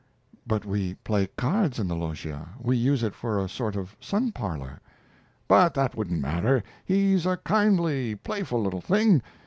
"But we play cards in the loggia. We use it for a sort of sun parlor." "But that wouldn't matter. He's a kindly, playful little thing.